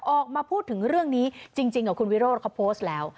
ออกมาพูดถึงเรื่องนี้จริงกับคุณวิโรธเขาโพสต์แล้ว